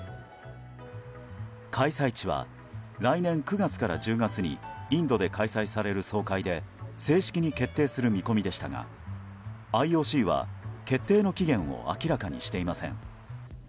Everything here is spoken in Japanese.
開催地は来年９月から１０月にインドで開催される総会で正式に決定する見込みでしたがＩＯＣは決定の期限を明らかにしていません。